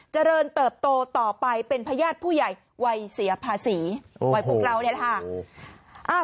เจริญเติบโตต่อไปเป็นพญาติผู้ใหญ่วัยเสียภาษีวัยพวกเราเนี่ยแหละค่ะ